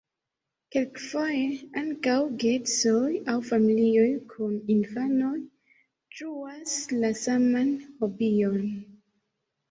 Kelkfoje ankaŭ geedzoj aŭ familioj kun infanoj ĝuas la saman hobion.